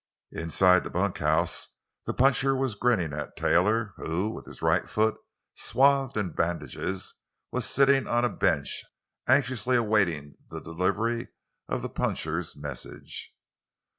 Inside the bunkhouse the puncher was grinning at Taylor, who, with his right foot swathed in bandages, was sitting on a bench, anxiously awaiting the delivery of the puncher's message.